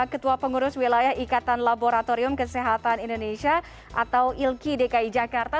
ketua pengurus wilayah ikatan laboratorium kesehatan indonesia atau ilki dki jakarta